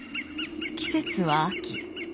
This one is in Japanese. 季節は秋。